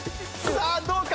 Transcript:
さあどうか？